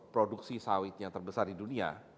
produksi sawit yang terbesar di dunia